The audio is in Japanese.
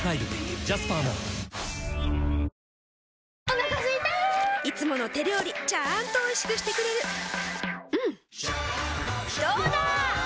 お腹すいたいつもの手料理ちゃんとおいしくしてくれるジューうんどうだわ！